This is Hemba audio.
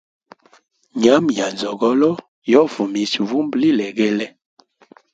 Nyama ya nzogolo yo fumisha vumba lilegele.